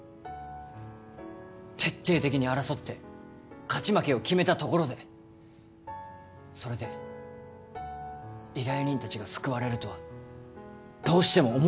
徹底的に争って勝ち負けを決めたところでそれで依頼人たちが救われるとはどうしても思えないんだ。